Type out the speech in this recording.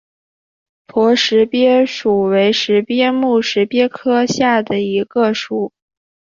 驼石鳖属为石鳖目石鳖科下的一个属。